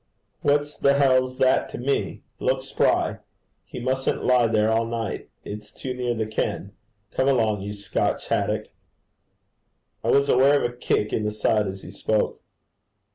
'What the hell's that to me? Look spry. He mustn't lie there all night. It's too near the ken. Come along, you Scotch haddock.' I was aware of a kick in the side as he spoke.